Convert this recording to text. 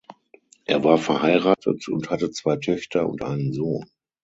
Er war verheiratet und hatte zwei Töchter und einen Sohn.